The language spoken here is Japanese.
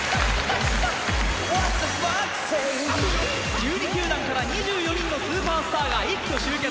１２球団から２４人のスーパースターが一挙集結。